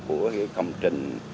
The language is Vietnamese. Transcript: của cái công trình